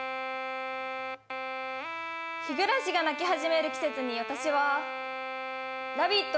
ヒグラシが鳴き始める季節に私は「ラヴィット！」